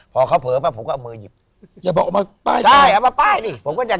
พอเขาเผลอไปผมก็เอามือหยิบอย่าบอกมาป้ายใช่เอามาป้ายดิผมก็อยาก